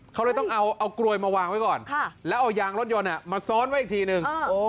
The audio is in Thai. เขาเลยต้องเอาเอากรวยมาวางไว้ก่อนค่ะแล้วยางรถยนต์อ่ะมาซ้อนไว้อีกทีหนึ่งอ๋อ